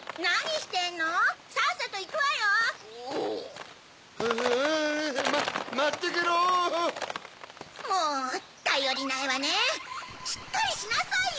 しっかりしなさいよ！